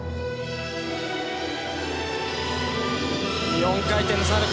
４回転のサルコー。